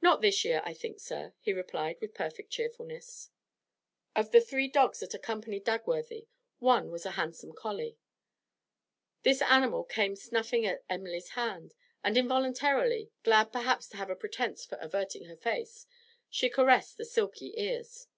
'Not this year, I think, sir,' he replied, with perfect cheerfulness. Of the three dogs that accompanied Dagworthy, one was a handsome collie. This animal came snuffing at Emily's hand, and involuntarily, glad perhaps to have a pretence for averting her face, she caressed the silky ears.